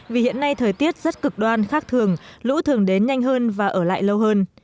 vì hiện nay thời tiết rất cực đoan khác thường lũ thường đến nhanh hơn và ở lại lâu hơn